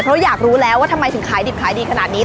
เพราะอยากรู้แล้วว่าทำไมถึงขายดิบขายดีขนาดนี้